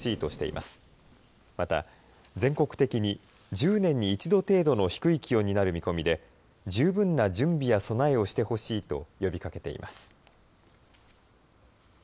また全国的に１０年に一度程度の低い気温になる見込みで十分な準備や備えをしてほしいと呼びかけています。